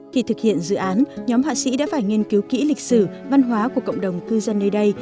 khi thực hiện dự án nhóm họa sĩ đã phải nghiên cứu kỹ lịch sử văn hóa của cộng đồng cư dân nơi đây